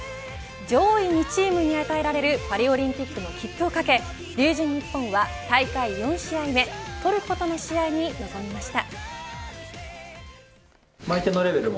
上位２チームに与えられるパリオリンピックの切符をかけ龍神ＮＩＰＰＯＮは大会４試合目トルコとの試合に臨みました。